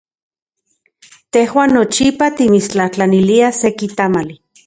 Tejuan nochipa timitstlajtlaniliaj seki tamali.